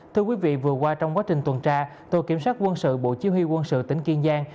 thưa quý vị vừa qua trong quá trình tuần tra tổ kiểm soát quân sự bộ chí huy quân sự tỉnh kiên giang